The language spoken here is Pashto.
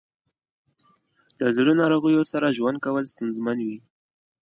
د زړه ناروغیو سره ژوند کول ستونزمن وي.